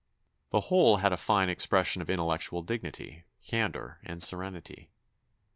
The whole had a fine expression of intellectual dignity, candour, and serenity.